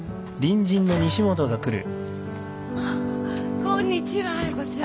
あっこんにちは亜矢子ちゃん。